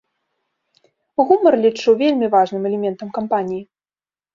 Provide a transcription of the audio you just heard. Гумар лічу вельмі важным элементам кампаніі.